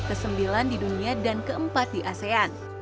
ke sembilan di dunia dan keempat di asean